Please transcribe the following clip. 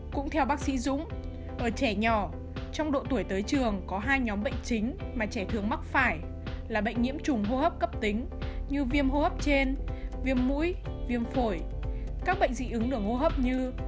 cũng theo bác sĩ dũng ở trẻ nhỏ trong độ tuổi tới trường có hai nhóm bệnh chính mà trẻ thường mắc phải là bệnh nhiễm trùng hô hấp cấp tính như viêm hô hấp trên viêm mũi viêm phổi các bệnh dị ứng đường hô hấp như